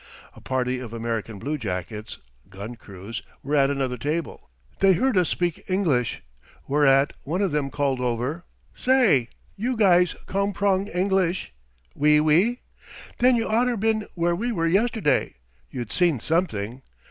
A party of American bluejackets gun crews were at another table. They heard us speak English, whereat one of them called over: "Say, you guys comprong English? Wee, wee? Then you oughter been where we were yesterday. Yuh'd seen something.